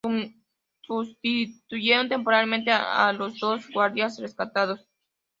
Sustituyeron temporalmente a los dos guardias rescatados.